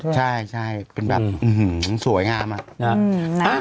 ใช่ใช่เป็นแบบอื้อหือสวยงามมาก